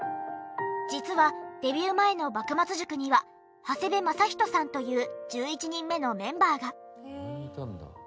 実はデビュー前の幕末塾には長谷部正仁さんという１１人目のメンバーが。